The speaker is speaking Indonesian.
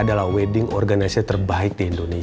saksikan tahun ini